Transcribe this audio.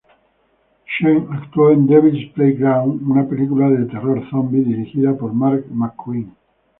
Sean actuó en "Devil's Playground", una película de terror zombie dirigida por Mark McQueen.